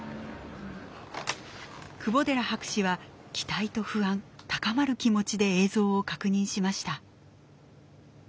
窪寺博士は期待と不安高まる気持ちで映像を確認しました。